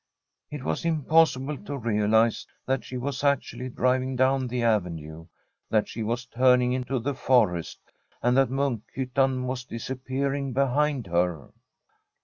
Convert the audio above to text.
It was impossible to realize that she was actually driving down the avenue, that she was turning into the forest, and that Munkhyttan was disappearing behind her.